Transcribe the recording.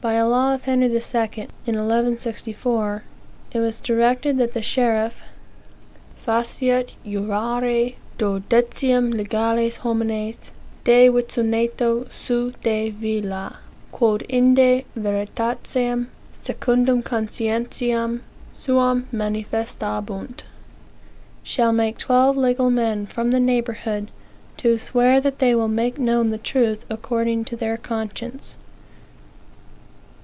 By a law of Henry II., in 1164, it was directed that the sheriff "faciet jurare duodecim legales homines de vicineto seu de villa, quod inde veritatem secundum conscientiam suam manifestabunt," (shall make twelve, legal men from the neighborhood to swear that they will make known the truth according to their conscience.)